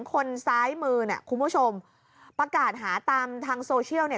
คนซ้ายมือเนี่ยคุณผู้ชมประกาศหาตามทางโซเชียลเนี่ย